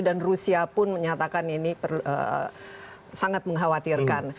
dan rusia pun menyatakan ini sangat mengkhawatirkan